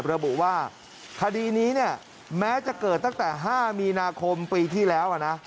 ระบุว่าคดีนี้เนี่ยแม้จะเกิดตั้งแต่๕มีนาคมปีที่แล้วนะ